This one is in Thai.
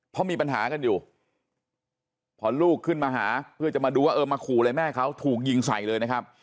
เพราะมีปัญหากันอยู่พอลูกขึ้นมาหาเพื่อจะมาดูว่าเออมาขู่อะไรแม่เขาถูกยิงใส่เลยนะครับ